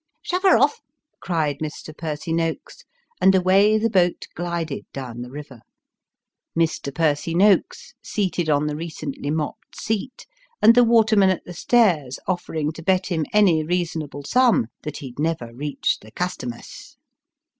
" Shove her off!" cried Mr. Percy Noakes, and away the boat glided down the river ; Mr. Percy Noakes seated on the recently mopped seat, and the watermen at the stairs offering to bet him any reasonable sum that he'd never reach the " Custom us."